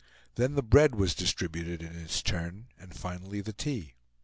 Then the bread was distributed in its turn, and finally the tea.